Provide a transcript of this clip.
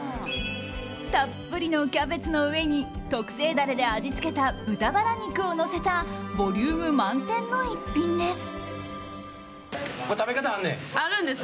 たっぷりのキャベツの上に特製ダレで味付けた豚バラ肉をのせたボリューム満点の逸品です。